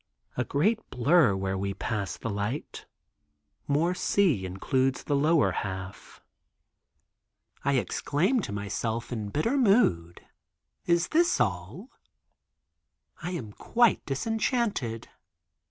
A great blur where we passed the light, more sea includes the lower half. I exclaim to myself in bitter mood, is this all! I am quite disenchanted.